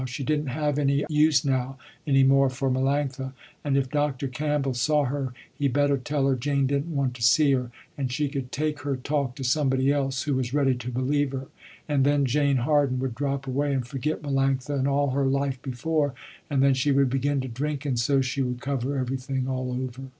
She didn't have any use now any more for Melanctha, and if Dr. Campbell saw her he better tell her Jane didn't want to see her, and she could take her talk to somebody else, who was ready to believe her. And then Jane Harden would drop away and forget Melanctha and all her life before, and then she would begin to drink and so she would cover everything all over.